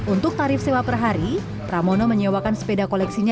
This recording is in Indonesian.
untuk tarif sewa per hari pramono menyewakan sepeda koleksinya